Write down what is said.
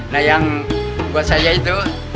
nah yang buat saya itu